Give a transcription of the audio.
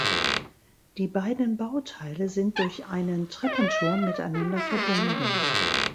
Die beiden Bauteile sind durch einen Treppenturm miteinander verbunden.